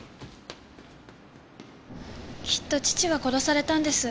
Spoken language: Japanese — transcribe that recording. きっと父は殺されたんです。